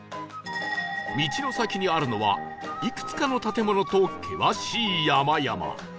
道の先にあるのはいくつかの建物と険しい山々